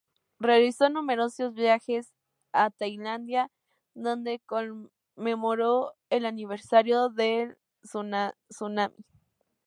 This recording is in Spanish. Realizó numerosos viajes a Tailandia donde conmemoró el aniversario del tsunami.